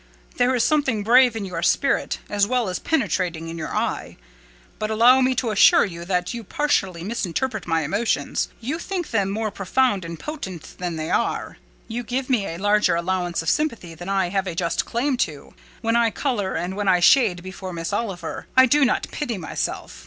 There is something brave in your spirit, as well as penetrating in your eye; but allow me to assure you that you partially misinterpret my emotions. You think them more profound and potent than they are. You give me a larger allowance of sympathy than I have a just claim to. When I colour, and when I shake before Miss Oliver, I do not pity myself.